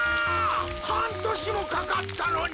はんとしもかかったのに。